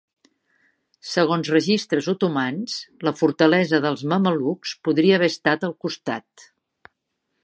Segons registres otomans, la fortalesa dels mamelucs podria haver estat al costat.